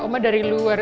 oma dari luar